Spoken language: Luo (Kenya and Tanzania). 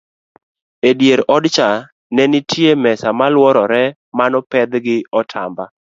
edier odcha nenitie mesa moluorore manopedh gi otamba